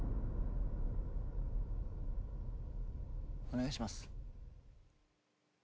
お願いします。